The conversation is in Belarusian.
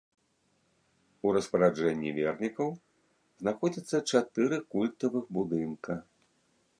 У распараджэнні вернікаў знаходзіцца чатыры культавых будынка.